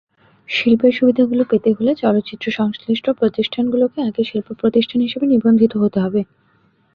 শিল্পের সুবিধাগুলো পেতে হলে চলচ্চিত্রসংশ্লিষ্ট প্রতিষ্ঠানগুলোকে আগে শিল্পপ্রতিষ্ঠান হিসেবে নিবন্ধিত হতে হবে।